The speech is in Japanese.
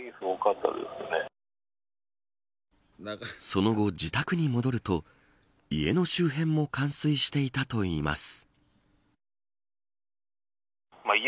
その後、自宅に戻ると家の周辺も冠水していたといいます。